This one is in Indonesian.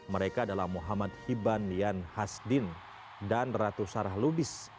mereka adalah muhammad hiban yan hasdin dan ratu sarah lubis